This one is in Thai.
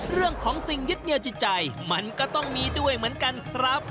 เรื่องของสิ่งยึดเหนียวจิตใจมันก็ต้องมีด้วยเหมือนกันครับ